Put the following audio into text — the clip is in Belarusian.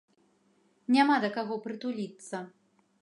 Няма да каго прытуліцца.